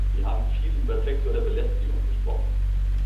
Wir haben viel über sexuelle Belästigung gesprochen.